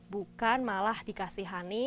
bukan malah dikasihani